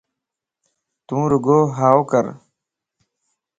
تو رڳو ھائوڪَر